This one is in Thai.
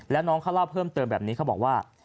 แล้วน้องเขาเล่าเพิ่มเติมแบบนี้เขาบอกว่า